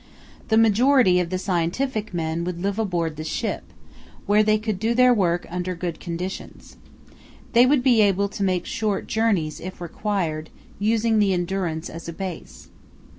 The majority of the scientific men would live aboard the ship, where they could do their work under good conditions. They would be able to make short journeys if required, using the Endurance as a base.